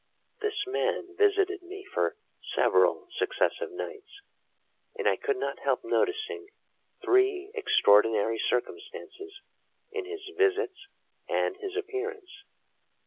'This man visited me for several successive nights; and I could not help noticing three extraordinary circumstances in his visits and his appearance.